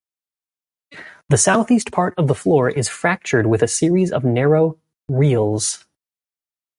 The southeast part of the floor is fractured with a series of narrow rilles.